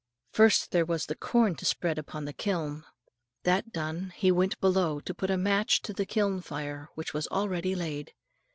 First there was the corn to spread upon the kiln. That done, he went below to put a match to the kiln fire which was already laid.